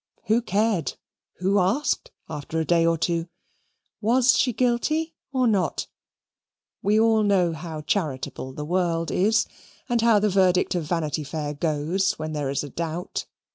Who cared! Who asked after a day or two? Was she guilty or not? We all know how charitable the world is, and how the verdict of Vanity Fair goes when there is a doubt.